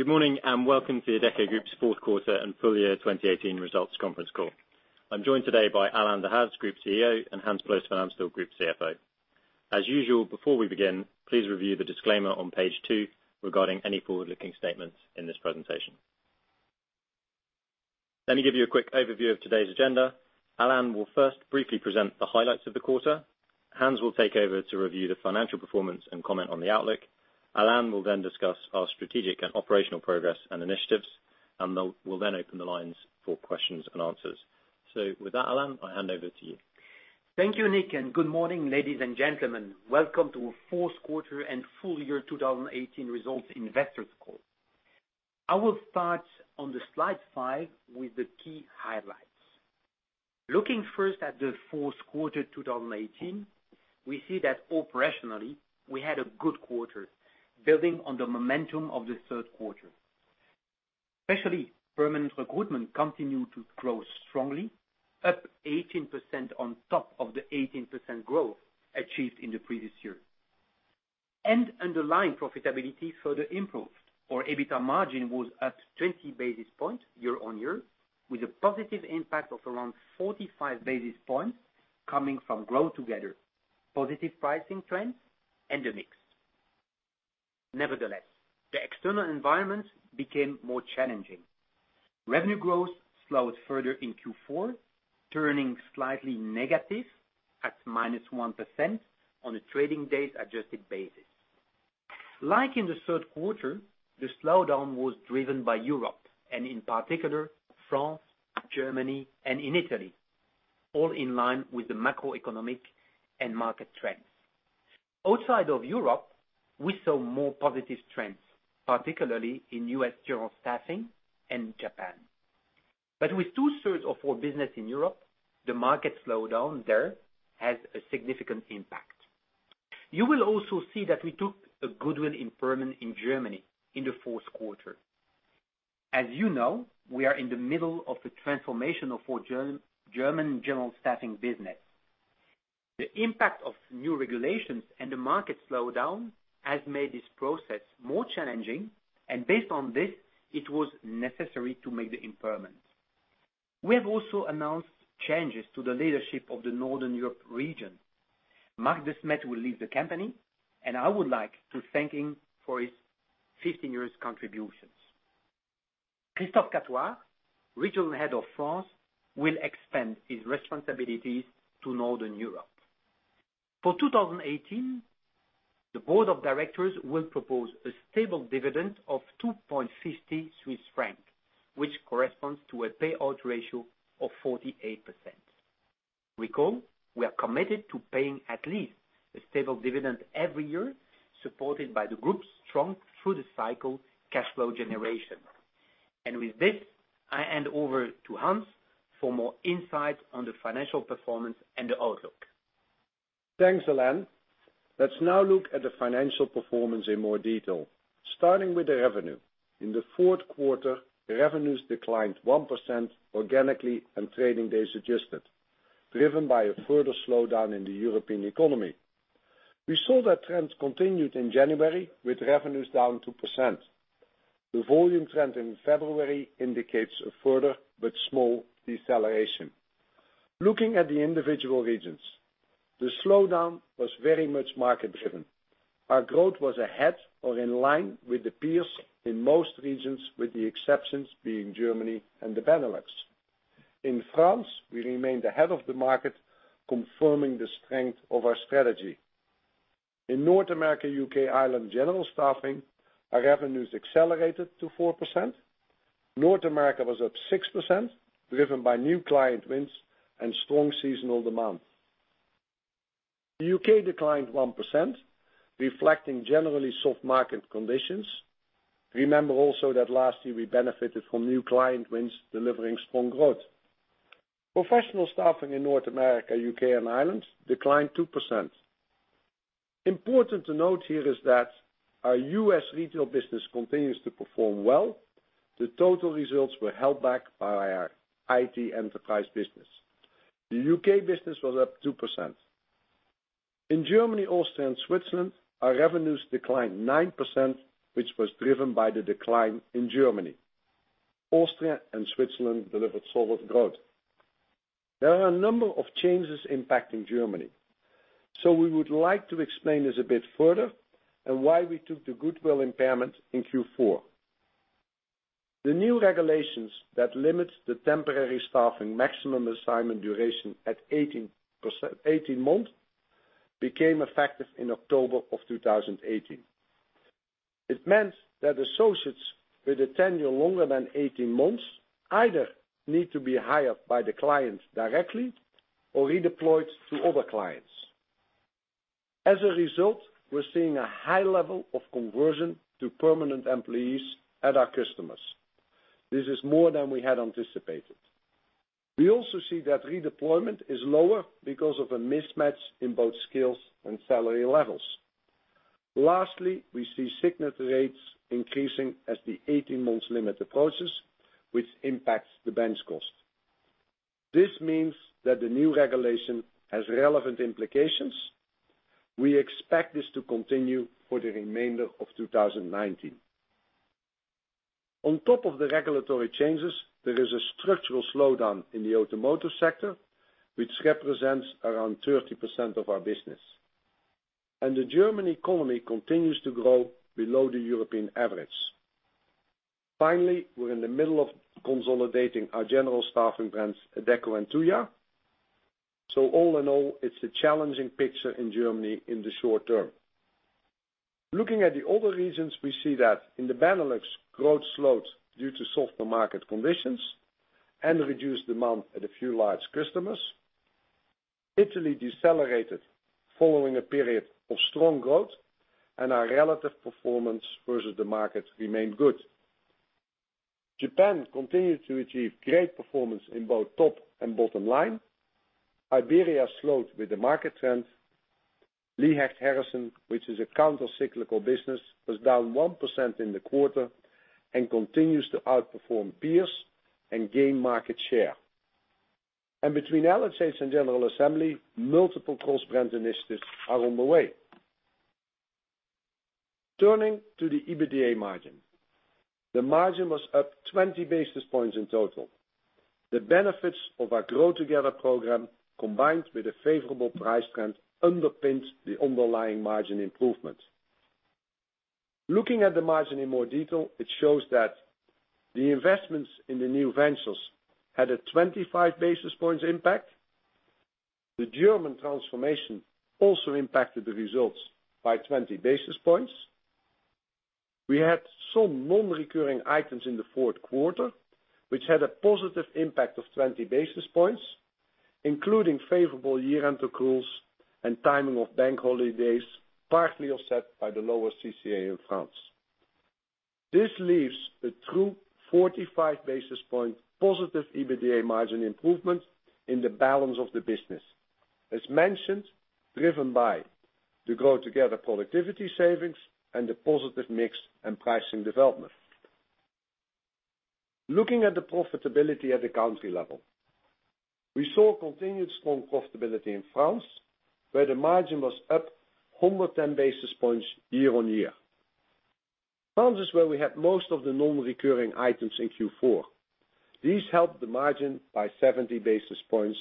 Good morning, and welcome to Adecco Group's fourth quarter and full year 2018 results conference call. I am joined today by Alain Dehaze, Group CEO, and Hans Ploos van Amstel, Group CFO. As usual, before we begin, please review the disclaimer on page two regarding any forward-looking statements in this presentation. Let me give you a quick overview of today's agenda. Alain will first briefly present the highlights of the quarter. Hans will take over to review the financial performance and comment on the outlook. Alain will then discuss our strategic and operational progress and initiatives. We'll then open the lines for questions and answers. With that, Alain, I hand over to you. Thank you, Nick, and good morning, ladies and gentlemen. Welcome to our fourth quarter and full year 2018 results investors' call. I will start on the slide five with the key highlights. Looking first at the fourth quarter 2018, we see that operationally, we had a good quarter, building on the momentum of the third quarter. Especially, permanent recruitment continued to grow strongly, up 18% on top of the 18% growth achieved in the previous year. Underlying profitability further improved. Our EBITDA margin was up 20 basis points year on year, with a positive impact of around 45 basis points coming from Grow Together, positive pricing trends, and the mix. Nevertheless, the external environment became more challenging. Revenue growth slowed further in Q4, turning slightly negative at -1% on a trading day adjusted basis. Like in the third quarter, the slowdown was driven by Europe, and in particular France, Germany, and in Italy, all in line with the macroeconomic and market trends. Outside of Europe, we saw more positive trends, particularly in U.S. general staffing and Japan. With two-thirds of our business in Europe, the market slowdown there has a significant impact. You will also see that we took a goodwill impairment in Germany in the fourth quarter. As you know, we are in the middle of the transformation of our German general staffing business. The impact of new regulations and the market slowdown has made this process more challenging, and based on this, it was necessary to make the impairment. We have also announced changes to the leadership of the Northern Europe region. Mark De Smedt will leave the company, and I would like to thank him for his 15 years' contributions. Christophe Catoir, Regional Head of France, will expand his responsibilities to Northern Europe. For 2018, the board of directors will propose a stable dividend of 2.50 Swiss francs, which corresponds to a payout ratio of 48%. Recall, we are committed to paying at least a stable dividend every year, supported by the group's strong through-the-cycle cash flow generation. With this, I hand over to Hans for more insight on the financial performance and the outlook. Thanks, Alain. Let's now look at the financial performance in more detail. Starting with the revenue. In the fourth quarter, revenues declined 1% organically and trading day adjusted, driven by a further slowdown in the European economy. We saw that trend continued in January with revenues down 2%. The volume trend in February indicates a further but small deceleration. Looking at the individual regions, the slowdown was very much market-driven. Our growth was ahead or in line with the peers in most regions, with the exceptions being Germany and the Benelux. In France, we remained ahead of the market, confirming the strength of our strategy. In North America, U.K., Ireland, general staffing, our revenues accelerated to 4%. North America was up 6%, driven by new client wins and strong seasonal demand. The U.K. declined 1%, reflecting generally soft market conditions. Remember also that last year we benefited from new client wins delivering strong growth. Professional staffing in North America, U.K. and Ireland declined 2%. Important to note here is that our U.S. retail business continues to perform well. The total results were held back by our IT enterprise business. The U.K. business was up 2%. In Germany, Austria, and Switzerland, our revenues declined 9%, which was driven by the decline in Germany. Austria and Switzerland delivered solid growth. There are a number of changes impacting Germany. We would like to explain this a bit further and why we took the goodwill impairment in Q4. The new regulations that limit the temporary staffing maximum assignment duration at 18 months became effective in October of 2018. It meant that associates with a tenure longer than 18 months either need to be hired by the client directly or redeployed to other clients. As a result, we're seeing a high level of conversion to permanent employees at our customers. This is more than we had anticipated. We also see that redeployment is lower because of a mismatch in both skills and salary levels. Lastly, we see sickness rates increasing as the 18 months limit approaches, which impacts the bench cost. This means that the new regulation has relevant implications. We expect this to continue for the remainder of 2019. On top of the regulatory changes, there is a structural slowdown in the automotive sector, which represents around 30% of our business. The German economy continues to grow below the European average. Finally, we're in the middle of consolidating our general staffing brands, Adecco and Tuja. All in all, it's a challenging picture in Germany in the short term. Looking at the other regions, we see that in the Benelux, growth slowed due to softer market conditions and reduced demand at a few large customers. Italy decelerated following a period of strong growth, and our relative performance versus the market remained good. Japan continued to achieve great performance in both top and bottom line. Iberia slowed with the market trend. Lee Hecht Harrison, which is a counter-cyclical business, was down 1% in the quarter and continues to outperform peers and gain market share. Between LH and General Assembly, multiple cross-brand initiatives are on the way. Turning to the EBITDA margin. The margin was up 20 basis points in total. The benefits of our Grow Together program, combined with a favorable price trend, underpinned the underlying margin improvement. Looking at the margin in more detail, it shows that the investments in the new ventures had a 25 basis points impact. The German transformation also impacted the results by 20 basis points. We had some non-recurring items in the fourth quarter, which had a positive impact of 20 basis points, including favorable year-end accruals and timing of bank holidays, partly offset by the lower CICE in France. This leaves a true 45 basis point positive EBITDA margin improvement in the balance of the business. As mentioned, driven by the Grow Together productivity savings and the positive mix and pricing development. Looking at the profitability at the country level. We saw continued strong profitability in France, where the margin was up 110 basis points year-on-year. France is where we had most of the non-recurring items in Q4. These helped the margin by 70 basis points.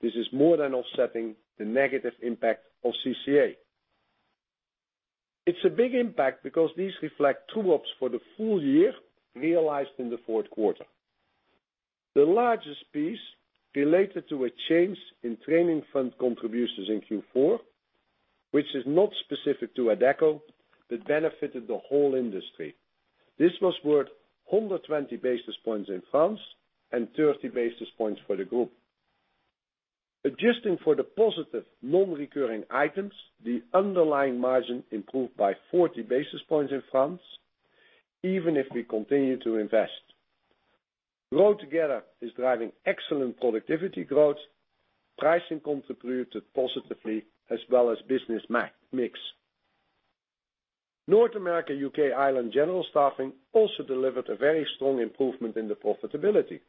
This is more than offsetting the negative impact of CICE. It's a big impact because these reflect true-ups for the full year realized in the fourth quarter. The largest piece related to a change in training fund contributions in Q4, which is not specific to Adecco, that benefited the whole industry. This was worth 120 basis points in France and 30 basis points for the group. Adjusting for the positive non-recurring items, the underlying margin improved by 40 basis points in France, even if we continue to invest. Grow Together is driving excellent productivity growth. Pricing contributed positively as well as business mix. North America, U.K., Ireland General Staffing also delivered a very strong improvement in the profitability.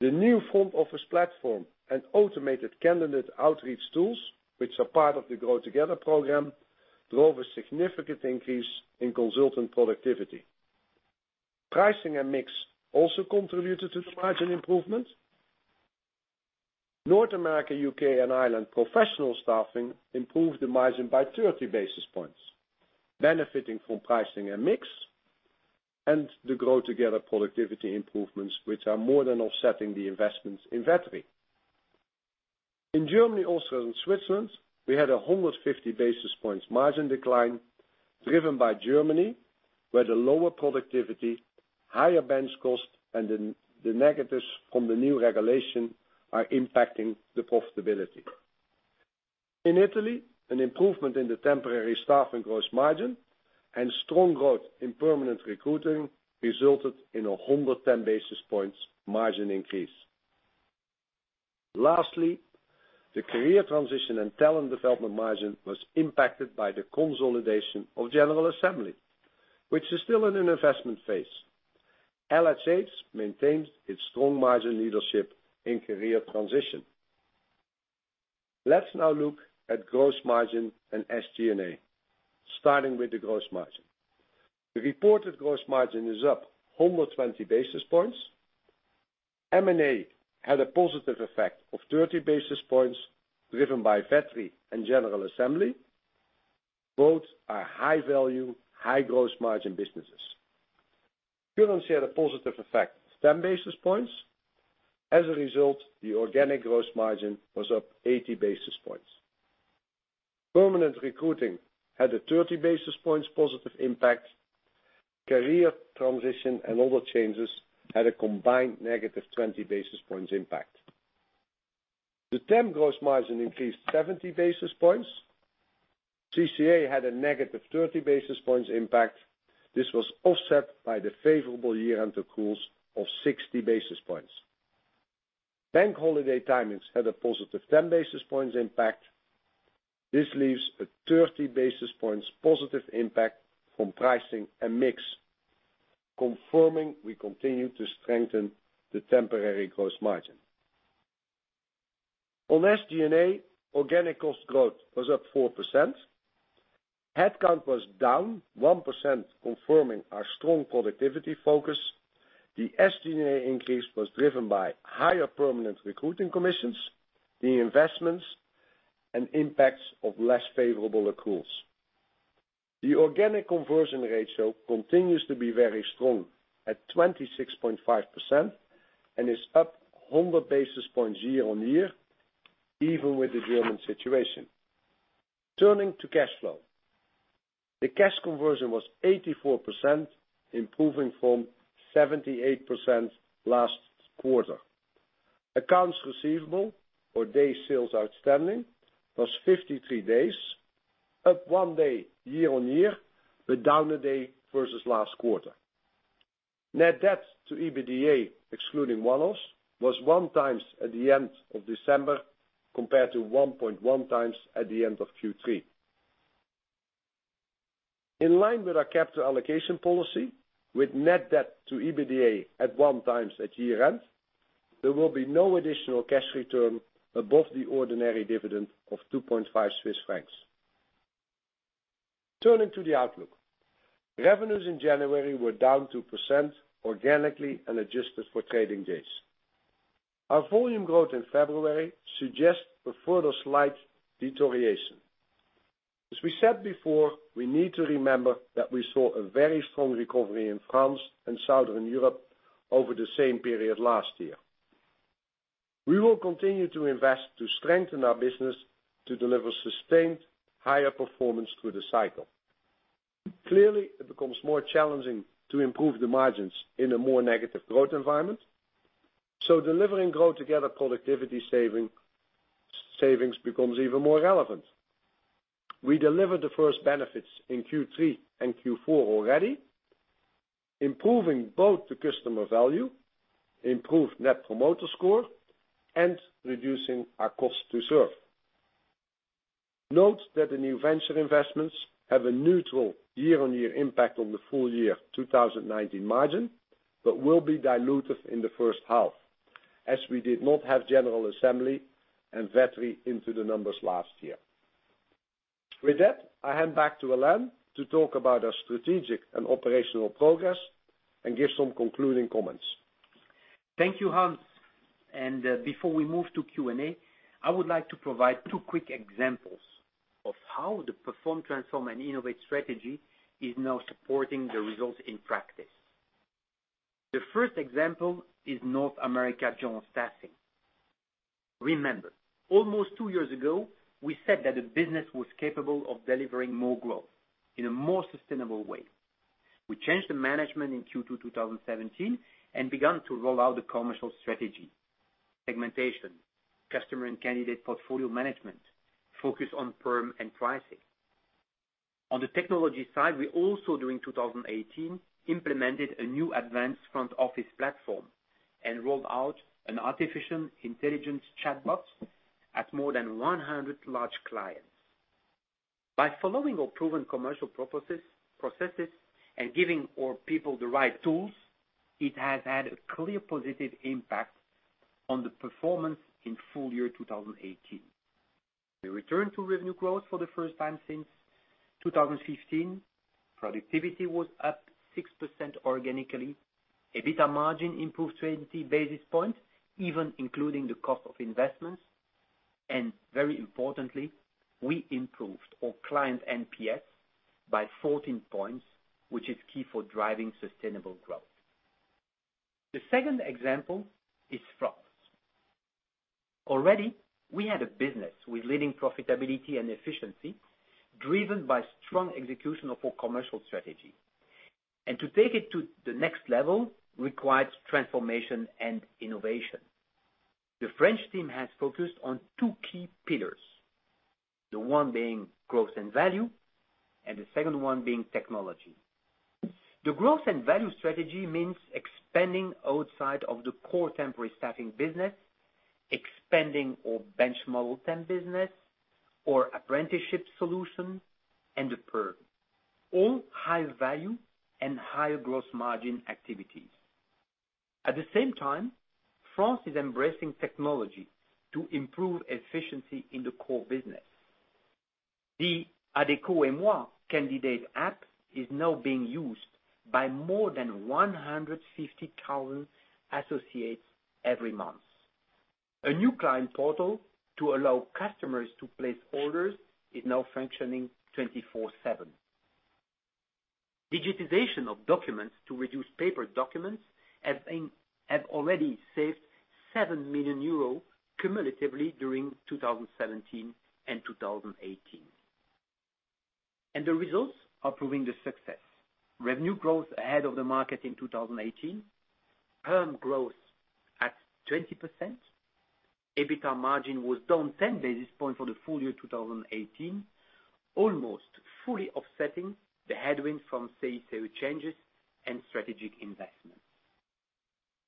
The new front office platform and automated candidate outreach tools, which are part of the Grow Together program, drove a significant increase in consultant productivity. Pricing and mix also contributed to the margin improvement. North America, U.K. and Ireland Professional Staffing improved the margin by 30 basis points, benefiting from pricing and mix and the Grow Together productivity improvements, which are more than offsetting the investments in Vettery. In Germany, also in Switzerland, we had 150 basis points margin decline driven by Germany, where the lower productivity, higher bench cost, and the negatives from the new regulation are impacting the profitability. In Italy, an improvement in the temporary staffing gross margin and strong growth in permanent recruiting resulted in 110 basis points margin increase. Lastly, the career transition and talent development margin was impacted by the consolidation of General Assembly, which is still in an investment phase. LHH maintains its strong margin leadership in career transition. Let's now look at gross margin and SG&A, starting with the gross margin. The reported gross margin is up 120 basis points. M&A had a positive effect of 30 basis points driven by Vettery and General Assembly. Both are high value, high gross margin businesses. Currency had a positive effect of 10 basis points. The organic gross margin was up 80 basis points. Permanent recruiting had a 30 basis points positive impact. Career transition and other changes had a combined negative 20 basis points impact. The temp gross margin increased 70 basis points. CICE had a negative 30 basis points impact. This was offset by the favorable year-end accruals of 60 basis points. Bank holiday timings had a positive 10 basis points impact. This leaves a 30 basis points positive impact from pricing and mix, confirming we continue to strengthen the temporary gross margin. On SG&A, organic cost growth was up 4%. Headcount was down 1%, confirming our strong productivity focus. The SG&A increase was driven by higher permanent recruiting commissions, the investments, and impacts of less favorable accruals. The organic cash conversion ratio continues to be very strong at 26.5% and is up 100 basis points year-on-year, even with the German situation. Turning to cash flow. The cash conversion was 84%, improving from 78% last quarter. Accounts receivable or DSO was 53 days, up 1 day year-on-year, but down 1 day versus last quarter. Net debt to EBITDA, excluding one-offs, was 1 time at the end of December compared to 1.1 times at the end of Q3. In line with our capital allocation policy, with Net debt to EBITDA at 1 time at year-end, there will be no additional cash return above the ordinary dividend of 2.5 Swiss francs. Turning to the outlook. Revenues in January were down 2% organically and adjusted for trading days. We said before, we need to remember that we saw a very strong recovery in France and Southern Europe over the same period last year. We will continue to invest to strengthen our business to deliver sustained higher performance through the cycle. It becomes more challenging to improve the margins in a more negative growth environment. Delivering Grow Together productivity savings becomes even more relevant. We delivered the 1st benefits in Q3 and Q4 already, improving both the customer value, improved Net Promoter Score, and reducing our cost to serve. Note that the new venture investments have a neutral year-on-year impact on the full year 2019 margin, but will be dilutive in the 1st half, as we did not have General Assembly and Vettery into the numbers last year. I hand back to Alain to talk about our strategic and operational progress and give some concluding comments. Thank you, Hans. Before we move to Q&A, I would like to provide 2 quick examples of how the Perform, Transform and Innovate strategy is now supporting the results in practice. The 1st example is North America General Staffing. Almost 2 years ago, we said that the business was capable of delivering more growth in a more sustainable way. We changed the management in Q2 2017 and began to roll out the commercial strategy. Segmentation, customer and candidate portfolio management, focus on perm and pricing. We also, during 2018, implemented a new advanced front-office platform and rolled out an artificial intelligence chatbot at more than 100 large clients. By following our proven commercial processes and giving our people the right tools, it has had a clear positive impact on the performance in full year 2018. We returned to revenue growth for the first time since 2015. Productivity was up 6% organically. EBITDA margin improved 20 basis points, even including the cost of investments. Very importantly, we improved our client NPS by 14 points, which is key for driving sustainable growth. The second example is France. Already, we had a business with leading profitability and efficiency driven by strong execution of our commercial strategy. To take it to the next level requires transformation and innovation. The French team has focused on two key pillars, the one being growth and value, and the second one being technology. The growth and value strategy means expanding outside of the core temporary staffing business, expanding our bench temp model business or apprenticeship solution, and the perm. All high value and higher gross margin activities. At the same time, France is embracing technology to improve efficiency in the core business. The Adecco & Moi candidate app is now being used by more than 150,000 associates every month. A new client portal to allow customers to place orders is now functioning 24/7. Digitization of documents to reduce paper documents have already saved 7 million euros cumulatively during 2017 and 2018. The results are proving the success. Revenue growth ahead of the market in 2018. Perm growth at 20%. EBITDA margin was down 10 basis points for the full year 2018, almost fully offsetting the headwinds from SECO changes and strategic investments.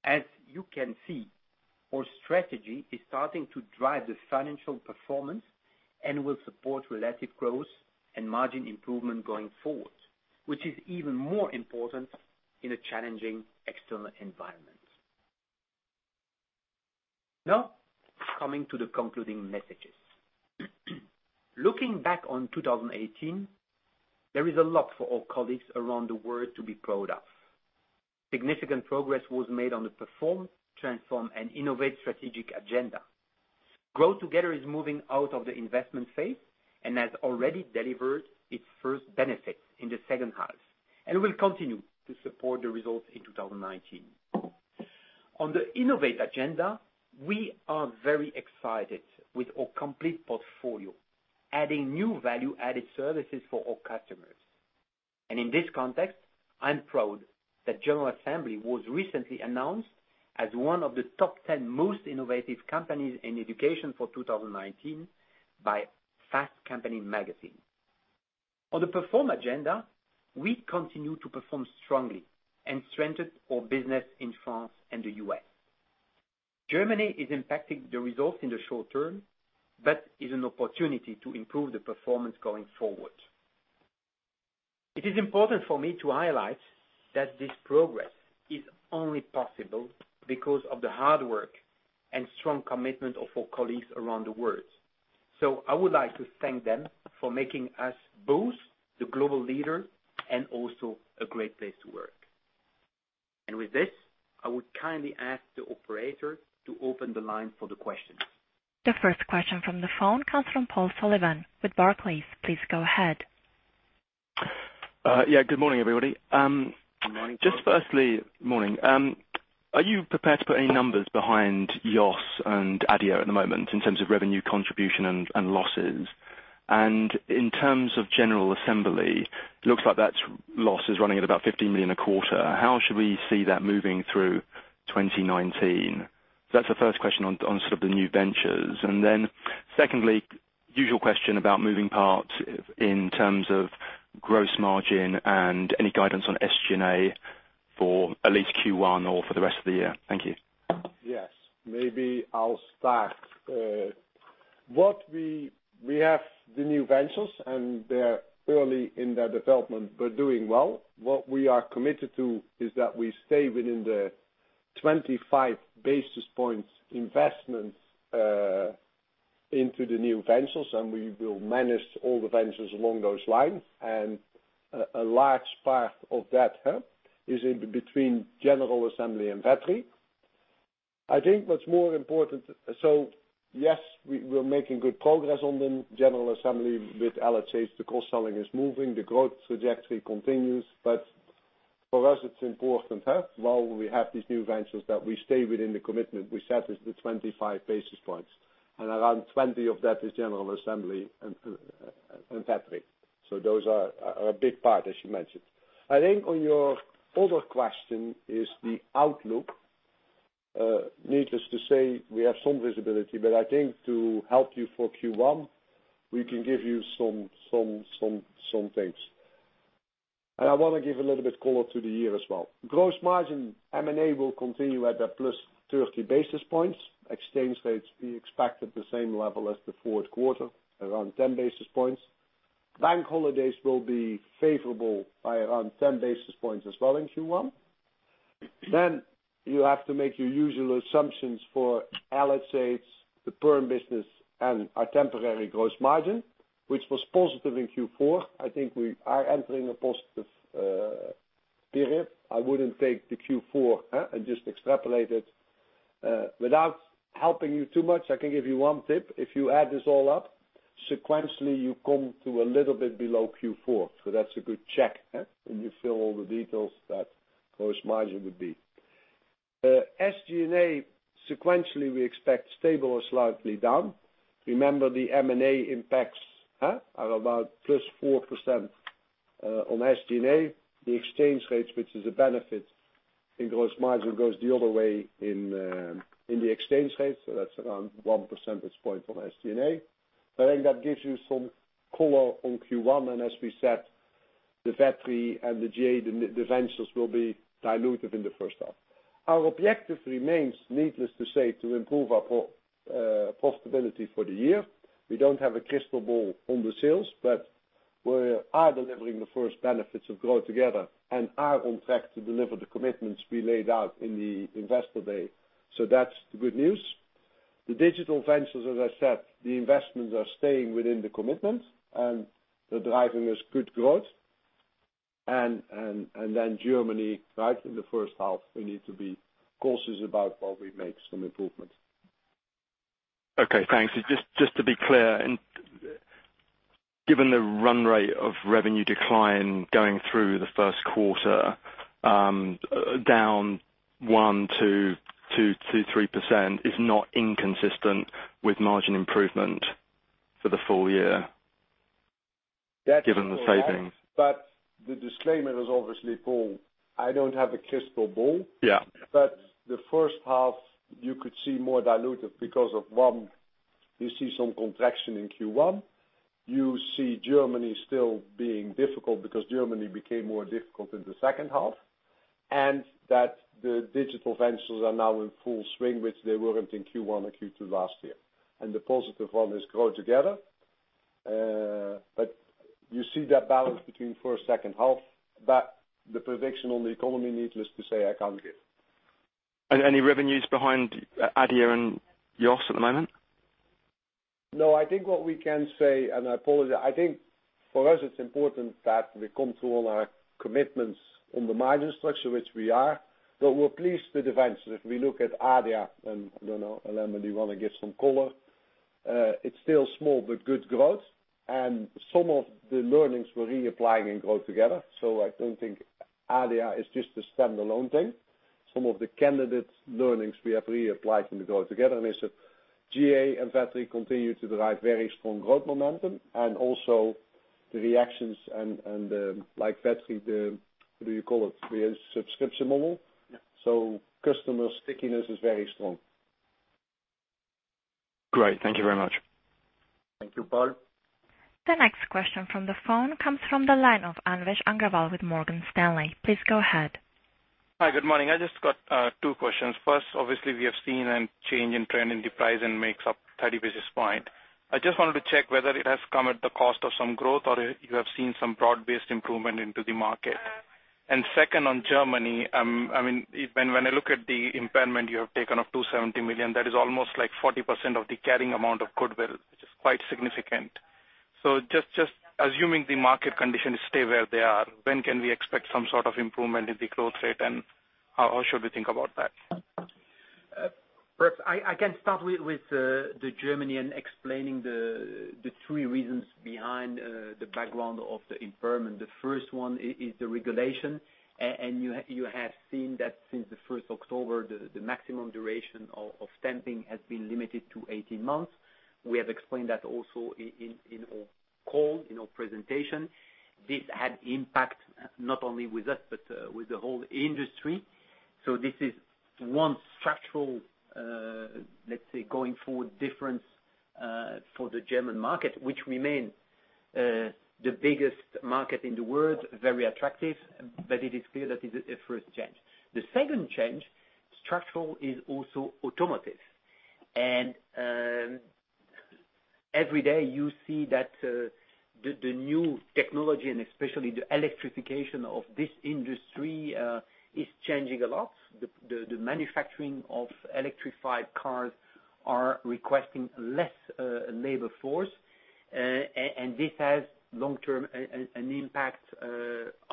As you can see, our strategy is starting to drive the financial performance and will support relative growth and margin improvement going forward, which is even more important in a challenging external environment. Coming to the concluding messages. Looking back on 2018, there is a lot for our colleagues around the world to be proud of. Significant progress was made on the perform, transform, and innovate strategic agenda. Grow Together is moving out of the investment phase and has already delivered its first benefit in the second half, and will continue to support the results in 2019. On the innovate agenda, we are very excited with our complete portfolio, adding new value-added services for our customers. In this context, I'm proud that General Assembly was recently announced as one of the top 10 most innovative companies in education for 2019 by Fast Company magazine. On the perform agenda, we continue to perform strongly and strengthened our business in France and the U.S. Germany is impacting the results in the short term, is an opportunity to improve the performance going forward. It is important for me to highlight that this progress is only possible because of the hard work and strong commitment of our colleagues around the world. I would like to thank them for making us both the global leader and also a great place to work. With this, I would kindly ask the operator to open the line for the questions. The first question from the phone comes from Paul Sullivan with Barclays. Please go ahead. Yeah, good morning, everybody. Good morning, Paul. Just firstly, morning. Are you prepared to put any numbers behind YOSS and Adecco at the moment in terms of revenue contribution and losses? In terms of General Assembly, looks like that loss is running at about 15 million a quarter. How should we see that moving through 2019? That's the first question on sort of the new ventures. Then secondly, usual question about moving parts in terms of gross margin and any guidance on SG&A for at least Q1 or for the rest of the year. Thank you. Yes. Maybe I'll start. We have the new ventures, they're early in their development, but doing well. What we are committed to is that we stay within the 25 basis points investment into the new ventures, we will manage all the ventures along those lines. A large part of that is in between General Assembly and Vettery. Yes, we're making good progress on the General Assembly with LHH. The cross-selling is moving, the growth trajectory continues, for us, it's important, while we have these new ventures, that we stay within the commitment we set as the 25 basis points. Around 20 of that is General Assembly and Vettery. Those are a big part, as you mentioned. I think on your other question is the outlook. Needless to say, we have some visibility, I think to help you for Q1, we can give you some things. I want to give a little bit color to the year as well. Gross margin, M&A will continue at a plus 30 basis points. Exchange rates, we expect at the same level as the fourth quarter, around 10 basis points. Bank holidays will be favorable by around 10 basis points as well in Q1. You have to make your usual assumptions for LHH, the Perm business, and our temporary gross margin, which was positive in Q4. I think we are entering a positive period. I wouldn't take the Q4 and just extrapolate it. Without helping you too much, I can give you 1 tip. If you add this all up, sequentially, you come to a little bit below Q4. That's a good check, when you fill all the details that gross margin would be. SG&A, sequentially, we expect stable or slightly down. Remember, the M&A impacts are about plus 4% on SG&A. The exchange rates, which is a benefit in gross margin, goes the other way in the exchange rate, that's around 1 percentage point from SG&A. I think that gives you some color on Q1, as we said, the Vettery and the GA, the ventures will be dilutive in the first half. Our objective remains, needless to say, to improve our profitability for the year. We don't have a crystal ball on the sales, we are delivering the first benefits of Grow Together and are on track to deliver the commitments we laid out in the Investor Day. That's the good news. The digital ventures, as I said, the investments are staying within the commitment, they're driving us good growth. Germany, right in the first half, we need to be cautious about while we make some improvements. Okay, thanks. Just to be clear, given the run rate of revenue decline going through the first quarter, down 1%-3% is not inconsistent with margin improvement for the full year? That's correct. Given the savings. The disclaimer is obviously, Paul, I don't have a crystal ball. Yeah. The first half, you could see more dilutive because of, 1, you see some contraction in Q1. You see Germany still being difficult because Germany became more difficult in the second half, and that the digital ventures are now in full swing, which they weren't in Q1 or Q2 last year. The positive one is Grow Together. You see that balance between first, second half. The prediction on the economy, needless to say, I can't give. Any revenues behind Adia and YOSS at the moment? No. I think what we can say, and I apologize, I think for us it's important that we control our commitments on the margin structure, which we are. We're pleased with the ventures. If we look at Adia, and I don't know, Alain, maybe you want to give some color. It's still small, but good growth. Some of the learnings we're reapplying in Grow Together. I don't think Adia is just a standalone thing. Some of the candidate learnings we have reapplied in the Grow Together, and I said, GA and Vettery continue to derive very strong growth momentum, and also the reactions and like Vettery, the subscription model. Yeah. Customer stickiness is very strong. Great. Thank you very much. Thank you, Paul. The next question from the phone comes from the line of Anvesh Agrawal with Morgan Stanley. Please go ahead. Hi, good morning. I just got two questions. First, obviously, we have seen a change in trend in the price and makes up 30 basis points. I just wanted to check whether it has come at the cost of some growth or you have seen some broad-based improvement into the market. Second, on Germany, when I look at the impairment you have taken of 270 million, that is almost like 40% of the carrying amount of goodwill, which is quite significant. Just assuming the market conditions stay where they are, when can we expect some sort of improvement in the growth rate and how should we think about that? Perhaps I can start with the Germany and explaining the three reasons behind the background of the impairment. The first one is the regulation. You have seen that since the first October, the maximum duration of stamping has been limited to 18 months. We have explained that also in our call, in our presentation. This had impact not only with us but with the whole industry. This is one structural, let's say, going forward difference, for the German market, which remain the biggest market in the world, very attractive, but it is clear that it is a first change. The second change, structural, is also automotive. Every day you see that the new technology, and especially the electrification of this industry, is changing a lot. The manufacturing of electrified cars are requesting less labor force. This has long-term an impact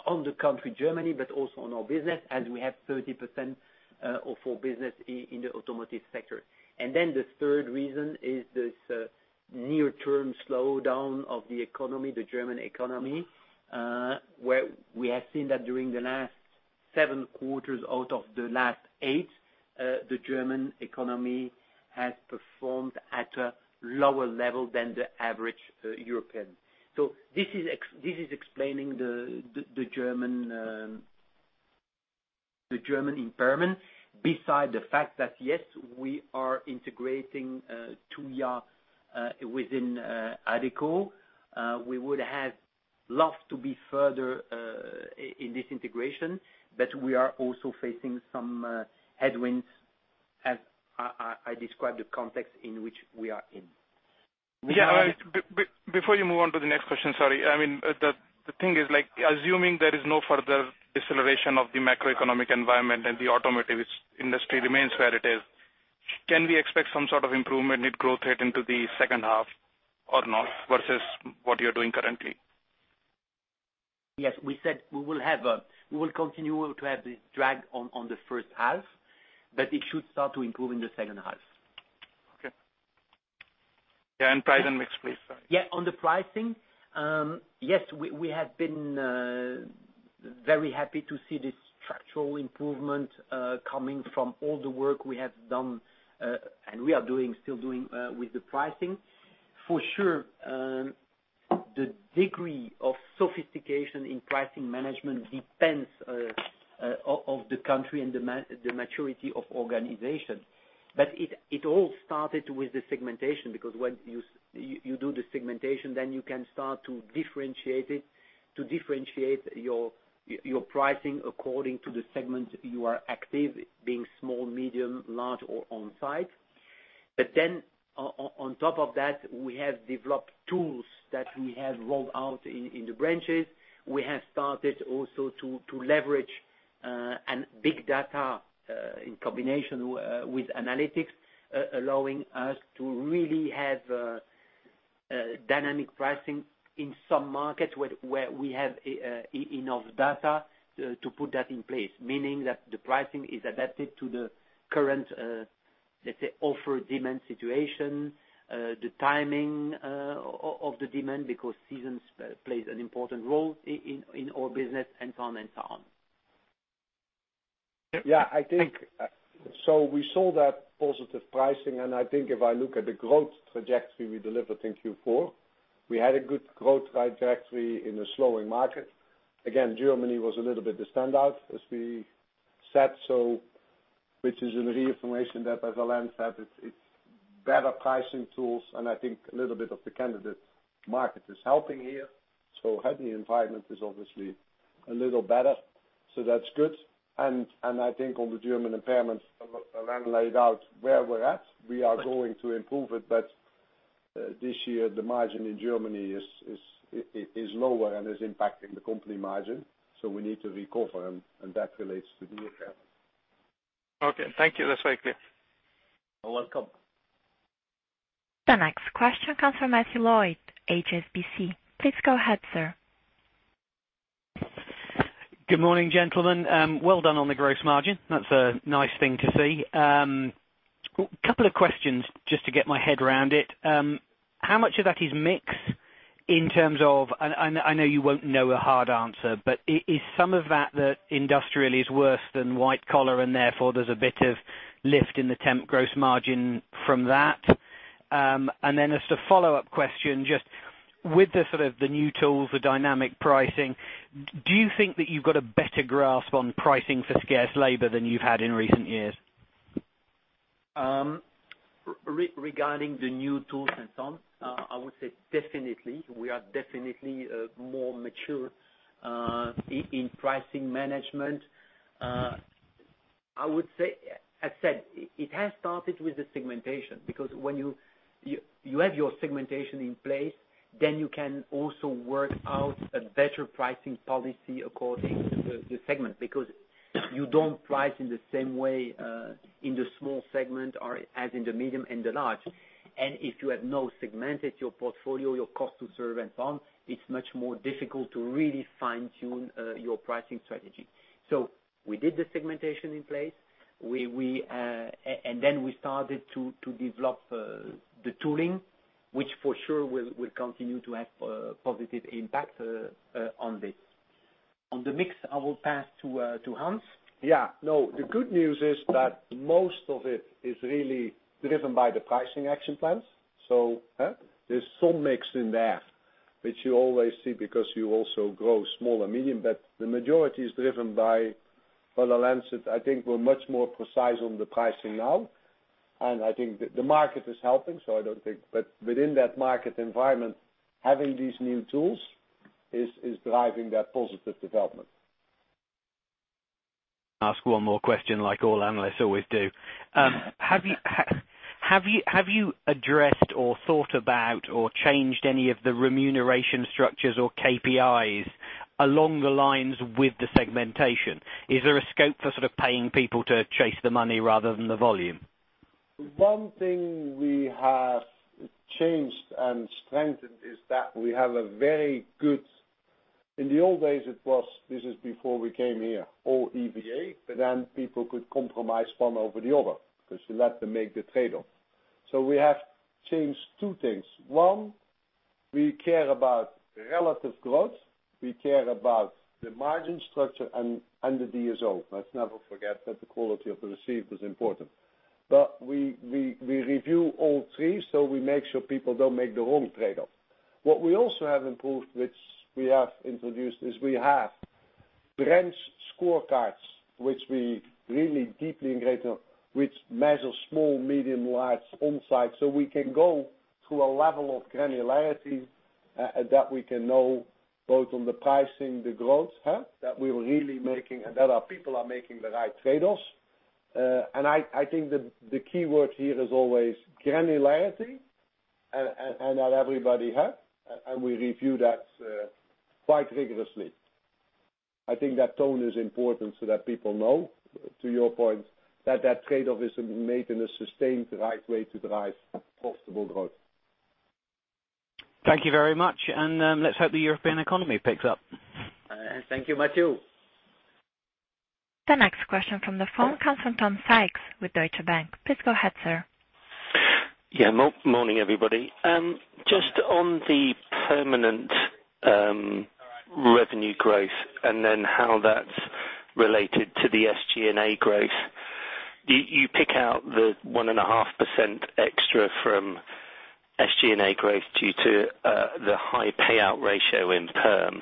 on the country, Germany, but also on our business as we have 30% of our business in the automotive sector. The third reason is this near term slowdown of the economy, the German economy, where we have seen that during the last seven quarters out of the last eight, the German economy has performed at a lower level than the average European. This is explaining the German impairment beside the fact that, yes, we are integrating Tuja within Adecco. We would have loved to be further in this integration, but we are also facing some headwinds as I describe the context in which we are in. Yeah. Before you move on to the next question, sorry. The thing is assuming there is no further deceleration of the macroeconomic environment and the automotive industry remains where it is, can we expect some sort of improvement in growth rate into the second half or not, versus what you're doing currently? Yes. We said we will continue to have this drag on the first half, but it should start to improve in the second half. Okay. Yeah, price and mix, please. Sorry. Yeah. On the pricing, yes, we have been very happy to see this structural improvement coming from all the work we have done, and we are still doing with the pricing. For sure, the degree of sophistication in pricing management depends of the country and the maturity of organization. It all started with the segmentation, because when you do the segmentation, you can start to differentiate it, to differentiate your pricing according to the segment you are active, being small, medium, large, or on site. On top of that, we have developed tools that we have rolled out in the branches. We have started also to leverage and big data, in combination with analytics, allowing us to really have dynamic pricing in some markets where we have enough data to put that in place, meaning that the pricing is adapted to the current, let's say, offer demand situation, the timing of the demand, because seasons plays an important role in our business, and so on and so on. Yeah. We saw that positive pricing, I think if I look at the growth trajectory we delivered in Q4, we had a good growth trajectory in a slowing market. Again, Germany was a little bit the standout, as we said. Which is a reaffirmation that, as Alain said, it's better pricing tools, I think a little bit of the candidate market is helping here. Heading environment is obviously a little better. That's good. I think on the German impairment, Alain laid out where we're at. We are going to improve it. This year, the margin in Germany is lower and is impacting the company margin, so we need to recover, and that relates to the effect. Okay. Thank you. That's very clear. You're welcome. The next question comes from Matthew Lloyd, HSBC. Please go ahead, sir. Good morning, gentlemen. Well done on the gross margin. That's a nice thing to see. Couple of questions just to get my head around it. How much of that is mix in terms of. I know you won't know a hard answer, but is some of that the industrial is worse than white collar, and therefore, there's a bit of lift in the temp gross margin from that? As a follow-up question, just with the new tools, the dynamic pricing, do you think that you've got a better grasp on pricing for scarce labor than you've had in recent years? Regarding the new tools and so on, I would say definitely. We are definitely more mature in pricing management. As said, it has started with the segmentation, because when you have your segmentation in place, you can also work out a better pricing policy according to the segment. You don't price in the same way in the small segment or as in the medium and the large. If you have not segmented your portfolio, your cost to serve and so on, it's much more difficult to really fine-tune your pricing strategy. We did the segmentation in place. We started to develop the tooling, which for sure will continue to have a positive impact on this. On the mix, I will pass to Hans. Yeah. No, the good news is that most of it is really driven by the pricing action plans. There's some mix in there, which you always see because you also grow small and medium, but the majority is driven by the lens that I think we're much more precise on the pricing now. I think the market is helping. Within that market environment, having these new tools is driving that positive development. Ask one more question like all analysts always do. Have you addressed or thought about or changed any of the remuneration structures or KPIs along the lines with the segmentation? Is there a scope for sort of paying people to chase the money rather than the volume? One thing we have changed and strengthened is that we have. In the old days, it was, this is before we came here, all EVA, but then people could compromise one over the other because you let them make the trade-off. We have changed two things. One, we care about relative growth. We care about the margin structure and the DSO. Let's never forget that the quality of the receipt is important. We review all three, so we make sure people don't make the wrong trade-off. What we also have improved, which we have introduced, is we have branch scorecards, which we really deeply engage now, which measure small, medium, large on-site. We can go to a level of granularity that we can know both on the pricing, the growth, that we are really making, and that our people are making the right trade-offs. I think the keyword here is always granularity, and that everybody has, and we review that quite rigorously. I think that tone is important so that people know, to your point, that trade-off is made in a sustained right way to drive profitable growth. Thank you very much. Let's hope the European economy picks up. Thank you, Matthew. The next question from the phone comes from Tom Sykes with Deutsche Bank. Please go ahead, sir. Morning, everybody. Just on the permanent revenue growth and then how that's related to the SG&A growth. You pick out the one and a half % extra from SG&A growth due to the high payout ratio in perm.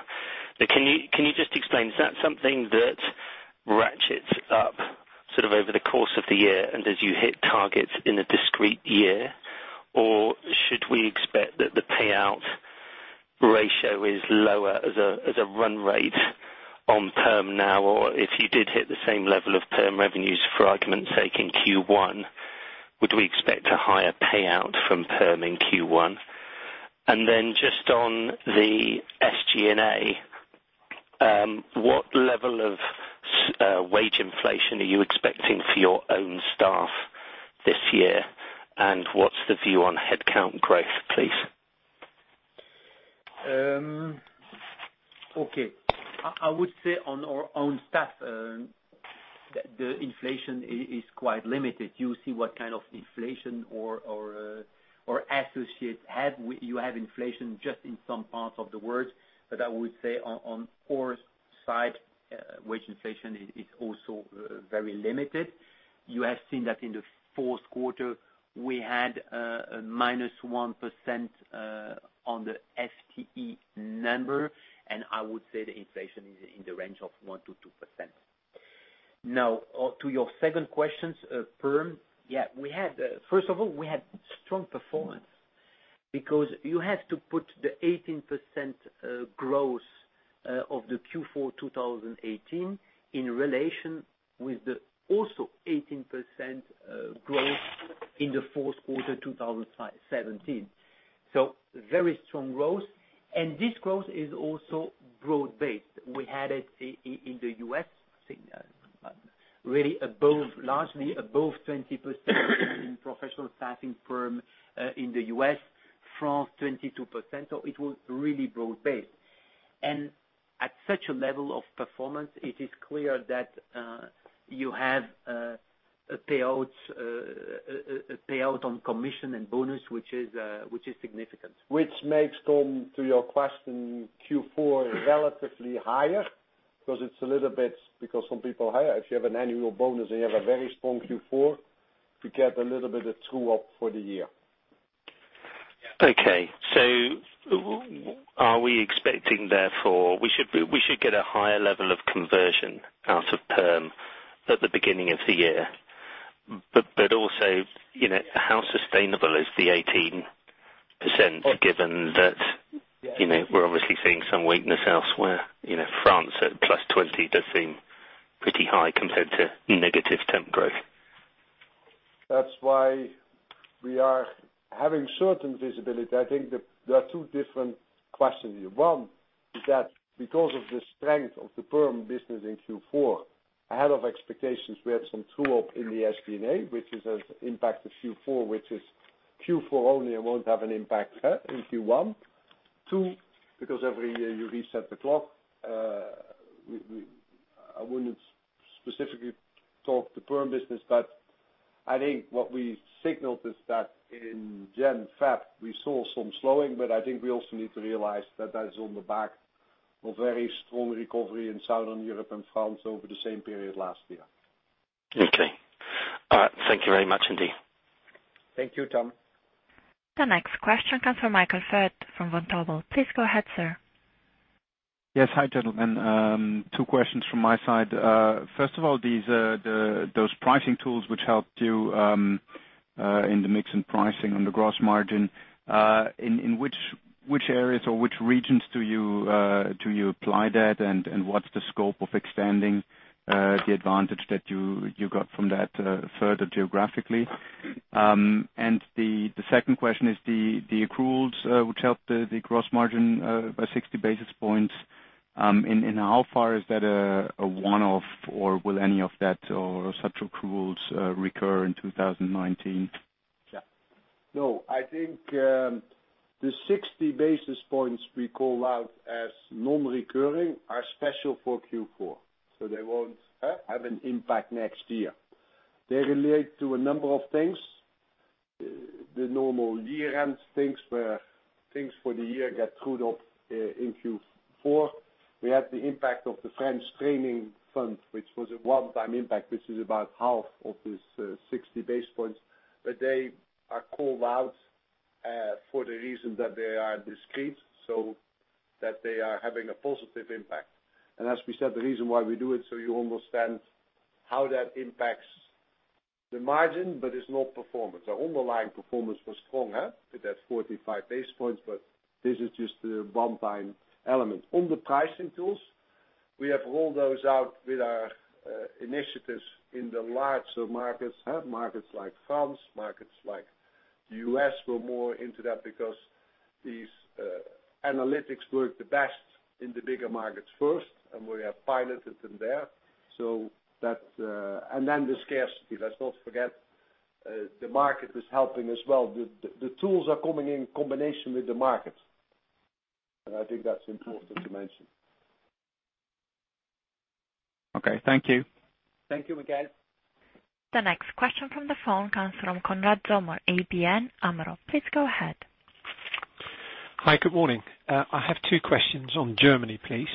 Can you just explain, is that something that ratchets up over the course of the year and as you hit targets in a discrete year? Should we expect that the payout ratio is lower as a run rate on perm now? If you did hit the same level of perm revenues, for argument's sake, in Q1, would we expect a higher payout from perm in Q1? Just on the SG&A, what level of wage inflation are you expecting for your own staff this year? What's the view on headcount growth, please? Okay. I would say on staff, the inflation is quite limited. You see what kind of inflation or associates have. You have inflation just in some parts of the world. I would say on core side, wage inflation is also very limited. You have seen that in the fourth quarter, we had a minus 1% on the FTE number, and I would say the inflation is in the range of 1%-2%. Now to your second question, perm. First of all, we had strong performance because you have to put the 18% growth of the Q4 2018 in relation with the also 18% growth in the fourth quarter 2017. Very strong growth. This growth is also broad-based. We had it in the U.S., really, largely above 20% in professional staffing perm in the U.S. France, 22%. It was really broad-based. At such a level of performance, it is clear that you have a payout on commission and bonus, which is significant. Which makes, to your question, Q4 relatively higher because some people are higher. If you have an annual bonus and you have a very strong Q4, you get a little bit of true-up for the year. Okay. Are we expecting, therefore, we should get a higher level of conversion out of perm at the beginning of the year. Also, how sustainable is the 18% given that we're obviously seeing some weakness elsewhere. France at +20% does seem pretty high compared to negative temp growth. That's why we are having certain visibility. I think there are two different questions here. One is that because of the strength of the perm business in Q4, ahead of expectations, we had some true-up in the SG&A, which has impact to Q4, which is Q4 only and won't have an impact in Q1. Two, because every year you reset the clock. I wouldn't specifically talk the perm business, but I think what we signaled is that in January, February, we saw some slowing, but I think we also need to realize that that is on the back of very strong recovery in Southern Europe and France over the same period last year. Okay. All right. Thank you very much indeed. Thank you, Tom. The next question comes from Michael Foeth from Vontobel. Please go ahead, sir. Yes. Hi, gentlemen. Two questions from my side. First of all, those pricing tools which helped you in the mix and pricing on the gross margin. In which areas or which regions do you apply that, and what's the scope of extending the advantage that you got from that further geographically? The second question is the accruals, which helped the gross margin by 60 basis points. In how far is that a one-off or will any of that or such accruals recur in 2019? Yeah. No, I think the 60 basis points we call out as non-recurring are special for Q4, so they won't have an impact next year. They relate to a number of things. The normal year-end things where things for the year get true-up in Q4. We had the impact of the French training fund, which was a one-time impact, which is about half of this 60 basis points. They are called out for the reason that they are discreet, so that they are having a positive impact. As we said, the reason why we do it, so you understand how that impacts the margin, but it's not performance. Our underlying performance was strong. It has 45 basis points, but this is just a one-time element. On the pricing tools, we have rolled those out with our initiatives in the larger markets. Markets like France, markets like the U.S., we're more into that because these analytics work the best in the bigger markets first, and we have piloted them there. The scarcity. Let's not forget, the market is helping as well. The tools are coming in combination with the market. I think that's important to mention. Okay. Thank you. Thank you, Michael. The next question from the phone comes from Konrad Zomer, ABN AMRO. Please go ahead. Hi, good morning. I have two questions on Germany, please.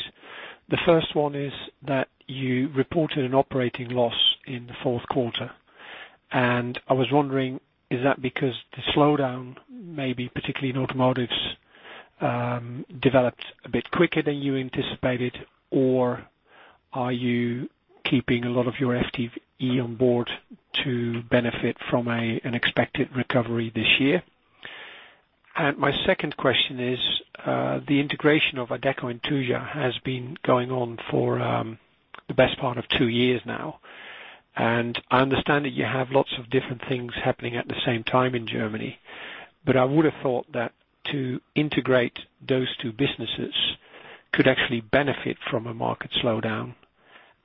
The first one is that you reported an operating loss in the fourth quarter. I was wondering, is that because the slowdown, maybe particularly in automotives, developed a bit quicker than you anticipated? Are you keeping a lot of your FTE on board to benefit from an expected recovery this year? My second question is, the integration of Adecco and Tuja has been going on for the best part of two years now, I understand that you have lots of different things happening at the same time in Germany. I would have thought that to integrate those two businesses could actually benefit from a market slowdown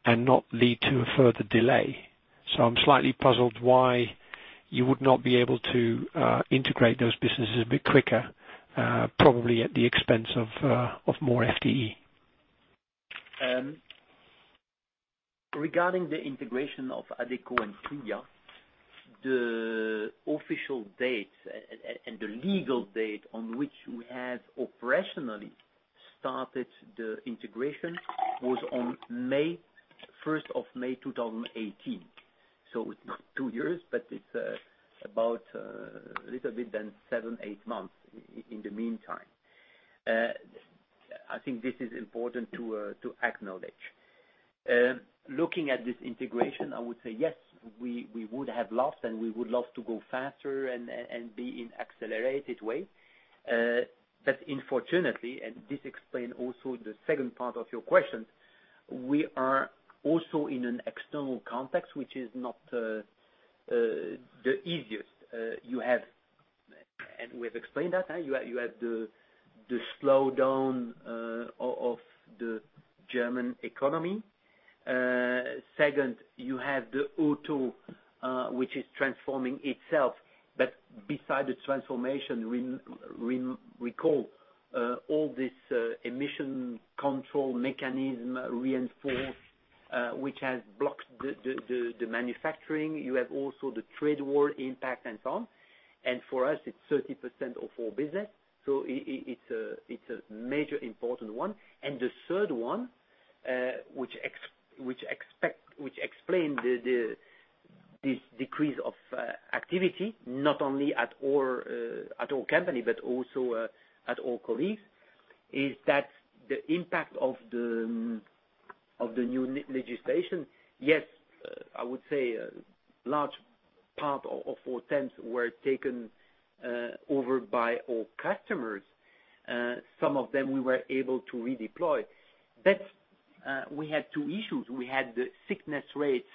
and not lead to a further delay. I'm slightly puzzled why you would not be able to integrate those businesses a bit quicker, probably at the expense of more FTE. Regarding the integration of Adecco and Tuja, the official date and the legal date on which we have operationally started the integration was on 1st of May 2018. It's not two years, but it's about a little bit than seven, eight months in the meantime. I think this is important to acknowledge. Looking at this integration, I would say yes, we would have loved and we would love to go faster and be in accelerated way. Unfortunately, and this explain also the second part of your question, we are also in an external context, which is not the easiest. We've explained that. You had the slowdown of the German economy. Second, you had the auto, which is transforming itself. Beside the transformation, recall all this emission control mechanism reinforced, which has blocked the manufacturing. You have also the trade war impact and so on. For us, it's 30% of our business, so it's a major important one. The third one, which explain this decrease of activity, not only at our company, but also at our colleagues, is that the impact of the new legislation. Yes, I would say large part of our temps were taken over by our customers. Some of them we were able to redeploy. We had two issues. We had the sickness rates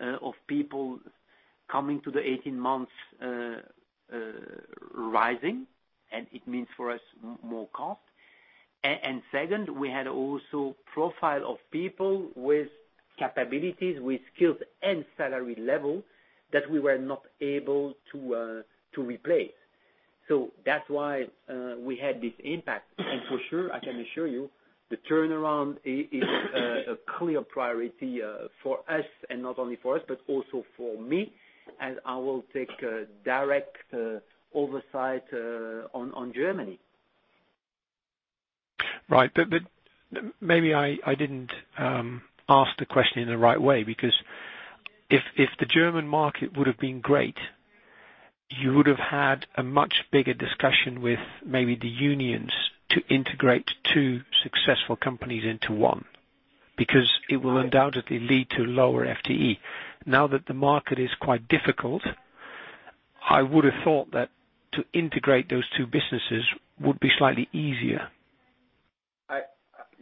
of people coming to the 18 months rising, and it means for us, more cost. Second, we had also profile of people with capabilities, with skills and salary level that we were not able to replace. That's why we had this impact. For sure, I can assure you, the turnaround is a clear priority for us, and not only for us, but also for me. I will take direct oversight on Germany. Right. Maybe I didn't ask the question in the right way, because if the German market would have been great, you would have had a much bigger discussion with maybe the unions to integrate two successful companies into one, because it will undoubtedly lead to lower FTE. Now that the market is quite difficult, I would have thought that to integrate those two businesses would be slightly easier.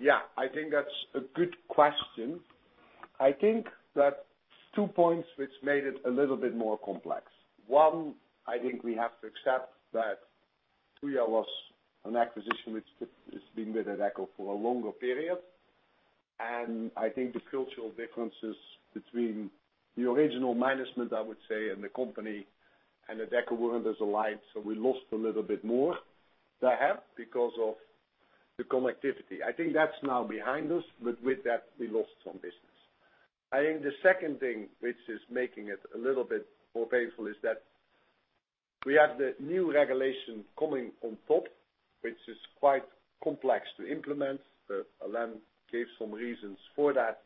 Yeah, I think that's a good question. I think that's two points which made it a little bit more complex. One, I think we have to accept that Tuja was an acquisition which has been with Adecco for a longer period. I think the cultural differences between the original management, I would say, and the company and Adecco weren't as aligned. We lost a little bit more there because of the connectivity. I think that's now behind us, but with that, we lost some business. I think the second thing which is making it a little bit more painful is that we have the new regulation coming on top, which is quite complex to implement. Alain gave some reasons for that.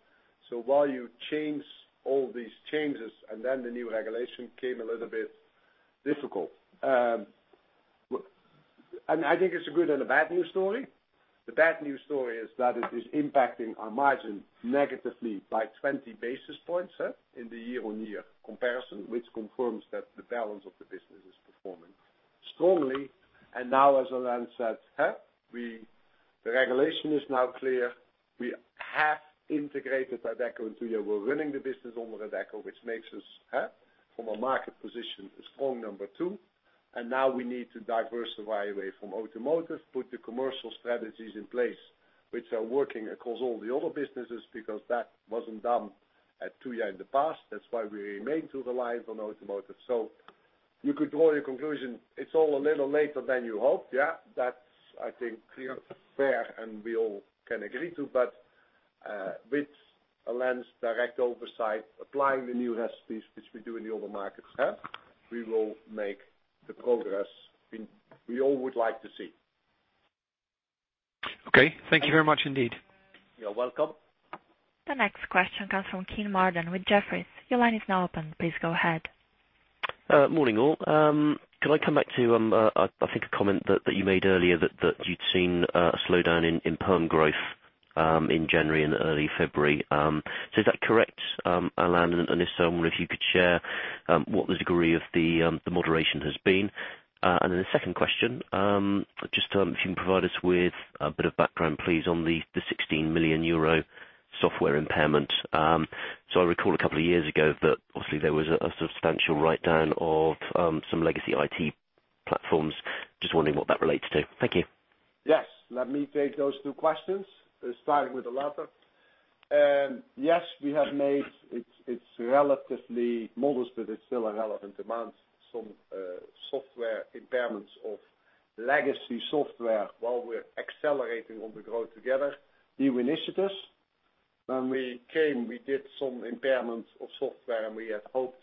While you change all these changes, and then the new regulation came a little bit difficult. I think it's a good and a bad news story. The bad news story is that it is impacting our margin negatively by 20 basis points in the year-on-year comparison, which confirms that the balance of the business is performing strongly. Now, as Alain said, the regulation is now clear. We have integrated Adecco and Tuja. We're running the business under Adecco, which makes us, from a market position, a strong number two. Now we need to diversify away from automotive, put the commercial strategies in place, which are working across all the other businesses, because that wasn't done at Tuja in the past. That's why we remain too reliant on automotive. You could draw your conclusion. It's all a little later than you hoped, yeah. That's, I think, clear, fair, and we all can agree to. With Alain's direct oversight, applying the new recipes, which we do in the other markets, we will make the progress we all would like to see. Okay. Thank you very much indeed. You're welcome. The next question comes from Kean Marden with Jefferies. Your line is now open. Please go ahead. Morning, all. Can I come back to, I think a comment that you made earlier that you'd seen a slowdown in perm growth in January and early February. Is that correct, Alain? If so, I wonder if you could share what the degree of the moderation has been. The second question, just if you can provide us with a bit of background, please, on the 16 million euro software impairment. I recall a couple of years ago that obviously there was a substantial write-down of some legacy IT platforms. Just wondering what that relates to. Thank you. Yes. Let me take those two questions, starting with the latter. Yes, we have made, it's relatively modest, but it's still a relevant amount, some software impairments of legacy software while we're accelerating on the Grow Together, new initiatives. When we came, we did some impairments of software, we had hoped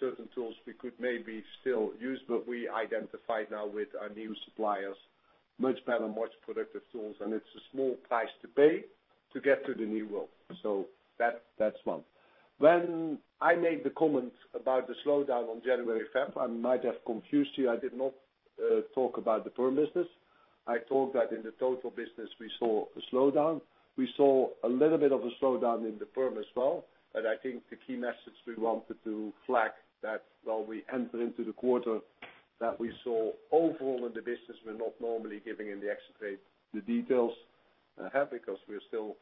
certain tools we could maybe still use, but we identified now with our new suppliers, much better, much productive tools. It's a small price to pay to get to the new world. That's one. When I made the comments about the slowdown on January, Feb, I might have confused you. I did not talk about the perm business. I thought that in the total business we saw a slowdown. We saw a little bit of a slowdown in the perm as well. I think the key message we wanted to flag that while we enter into the quarter, that we saw overall in the business, we're not normally giving in the ex rate the details because we're still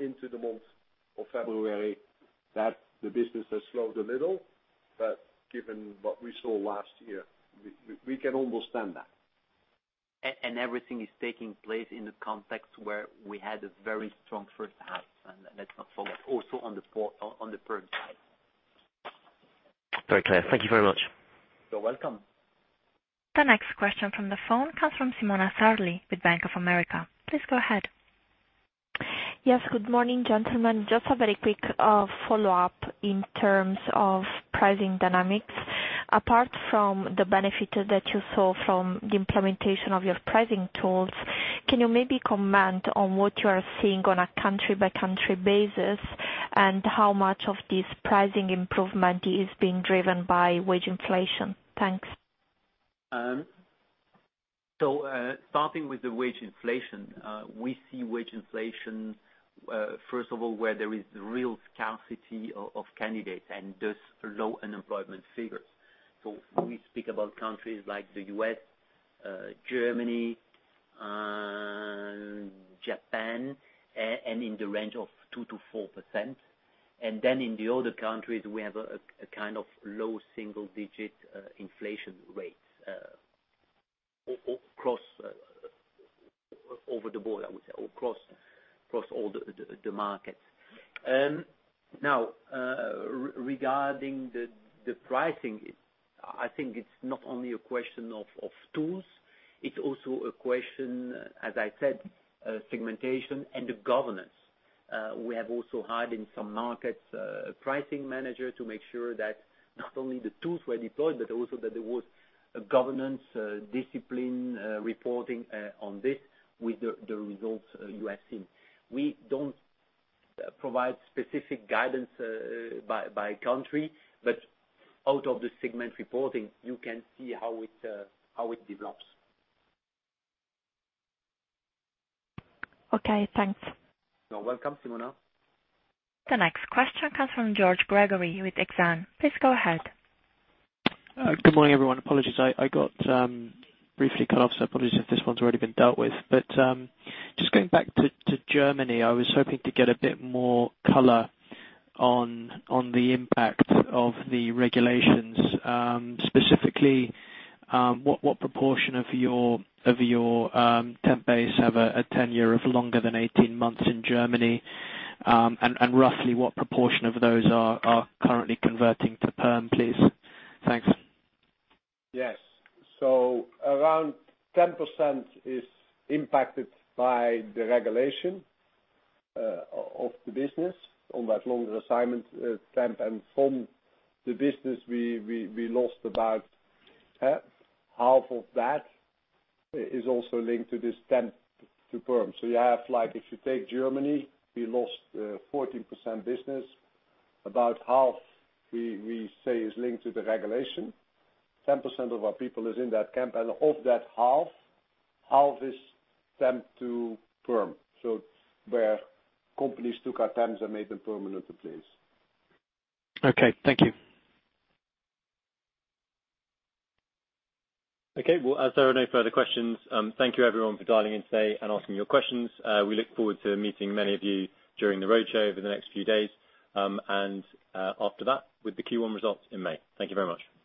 into the month of February that the business has slowed a little. Given what we saw last year, we can almost stand that. Everything is taking place in the context where we had a very strong first half. Let's not forget also on the perm side. Very clear. Thank you very much. You're welcome. The next question from the phone comes from Simona Sarli with Bank of America. Please go ahead. Yes. Good morning, gentlemen. Just a very quick follow-up in terms of pricing dynamics. Apart from the benefit that you saw from the implementation of your pricing tools, can you maybe comment on what you are seeing on a country-by-country basis, how much of this pricing improvement is being driven by wage inflation? Thanks. Starting with the wage inflation, we see wage inflation, first of all, where there is real scarcity of candidates and thus low unemployment figures. We speak about countries like the U.S., Germany, Japan, in the range of 2%-4%. Then in the other countries, we have a kind of low single-digit inflation rate across over the board, I would say, or across all the markets. Regarding the pricing, I think it's not only a question of tools, it's also a question, as I said, segmentation and the governance. We have also hired in some markets a pricing manager to make sure that not only the tools were deployed, but also that there was a governance discipline reporting on this with the results you have seen. We don't provide specific guidance by country, but out of the segment reporting, you can see how it develops. Okay, thanks. You're welcome, Simona. The next question comes from George Gregory with Exane. Please go ahead. Good morning, everyone. Apologies, I got briefly cut off, apologies if this one's already been dealt with. Just going back to Germany, I was hoping to get a bit more color on the impact of the regulations. Specifically, what proportion of your temp base have a tenure of longer than 18 months in Germany? And roughly what proportion of those are currently converting to perm, please? Thanks. Yes. Around 10% is impacted by the regulation of the business on that longer assignment temp. From the business, we lost about half of that is also linked to this temp to perm. You have, if you take Germany, we lost 14% business. About half we say is linked to the regulation. 10% of our people is in that temp, and of that half is temp to perm. Where companies took our temps and made them permanent in place. Okay. Thank you. Okay. Well, as there are no further questions, thank you everyone for dialing in today and asking your questions. We look forward to meeting many of you during the roadshow over the next few days, and after that with the Q1 results in May. Thank you very much. Bye.